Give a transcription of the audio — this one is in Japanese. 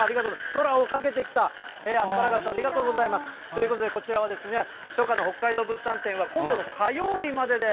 空をかけてきたアスパラガス、ありがとうございます。ということでこちらは初夏の北海道物産展は今度の火曜日までです。